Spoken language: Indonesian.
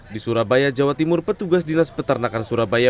di surabaya jawa timur petugas dinas peternakan surabaya